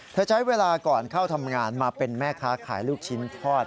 ใช้เวลาก่อนเข้าทำงานมาเป็นแม่ค้าขายลูกชิ้นทอด